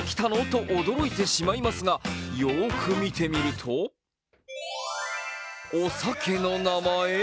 と驚いてしまいますがよーく見てみるとお酒の名前？